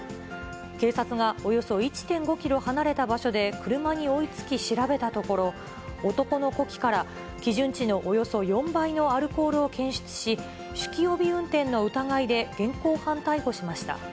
警察がおよそ１．５キロ離れた場所で車に追いつき、調べたところ、男の呼気から基準値のおよそ４倍のアルコールを検出し、酒気帯び運転の疑いで現行犯逮捕しました。